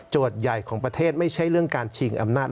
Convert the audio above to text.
ใหญ่ของประเทศไม่ใช่เรื่องการชิงอำนาจ